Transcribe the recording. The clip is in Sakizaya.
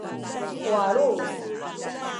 walu